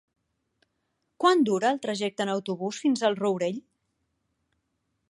Quant dura el trajecte en autobús fins al Rourell?